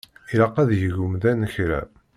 Ilaq ad yeg umdan kra.